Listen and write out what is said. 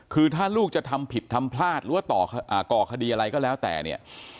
คือถ้าลูกจะทำผิดทำพลาดหรือว่าก่อคดีอะไรก็แล้วแต่เนี่ย